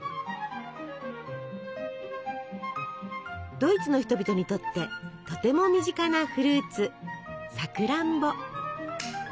ドイツの人々にとってとても身近なフルーツさくらんぼ。